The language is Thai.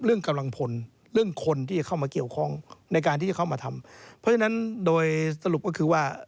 กำลังพลเรื่องคนที่เข้ามาเกี่ยวข้องในการที่จะเข้ามาทำเพราะฉะนั้นโดยสรุปก็คือว่า